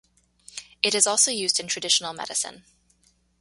It is also used in traditional medicine.